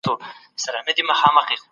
هغه انقلاب چي وینې تویوي ښه پایله نه لري.